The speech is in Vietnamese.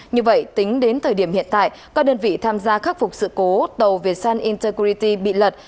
như vậy tính đến thời điểm hiện tại các đơn vị tham gia khắc phục sự cố tàu việt sun integrity bị lật